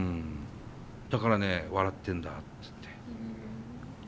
だからね笑ってんだっつって。